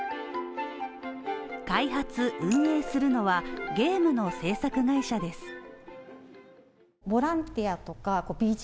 開発・運営するのはゲームの制作会社です。